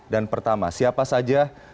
dan pertama siapa saja